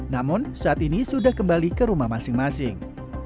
namun saat ini sudah kembali ke rumah masing masing